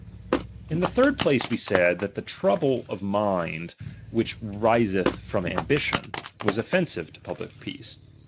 In the third place we said, that that trouble ..tiono(>Iii«, of mind which riseth from ambition, was offensive itaU'wtioui tf* public peace.